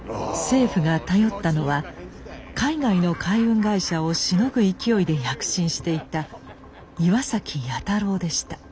政府が頼ったのは海外の海運会社をしのぐ勢いで躍進していた岩崎弥太郎でした。